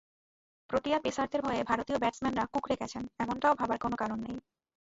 Protea পেসারদের ভয়ে ভারতীয় ব্যাটসম্যানরা কুঁকড়ে গেছেন—এমনটাও ভাবার কোনো কারণ নেই।